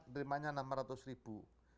penerimanya enam ratus ribu